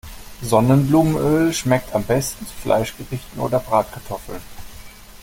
Sonnenblumenöl schmeckt am besten zu Fleischgerichten oder Bratkartoffeln.